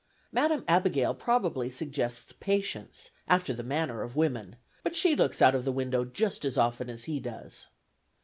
Madam Abigail probably suggests patience, after the manner of women, but she looks out of window just as often as he does.